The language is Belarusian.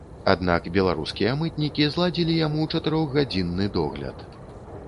Аднак беларускія мытнікі зладзілі яму чатырохгадзінны догляд.